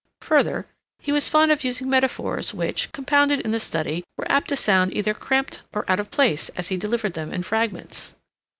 Further, he was fond of using metaphors which, compounded in the study, were apt to sound either cramped or out of place as he delivered them in fragments.